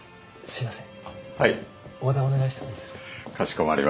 すいません。